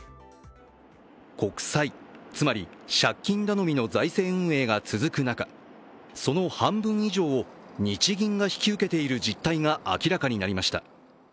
国債、つまり借金頼みの財政運営が続く中、その半分以上を日銀が引き受けている実態が明らかになりました。